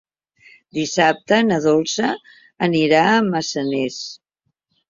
Dissabte na Dolça anirà a Massanes.